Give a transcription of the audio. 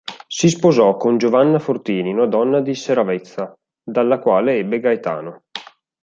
Si sposò con Giovanna Fortini, una donna di Seravezza, dalla quale ebbe Gaetano.